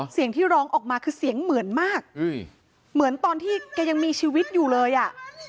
เสียงที่ร้องออกมาคือเสียงเหมือนมากเหมือนตอนที่แกยังมีชีวิตอยู่เลยอ่ะ